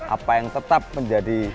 apa yang tetap menjadi